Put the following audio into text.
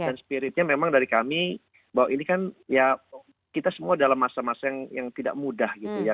dan spiritnya memang dari kami bahwa ini kan ya kita semua dalam masa masa yang tidak mudah gitu ya